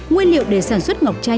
nguyên liệu để sản xuất ngọc chai